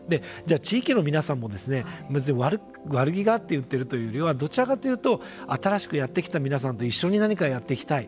地域の皆さんも悪気があって言っているというよりはどちらかというと新しくやってきた皆さんと一緒に何かをやっていきたい。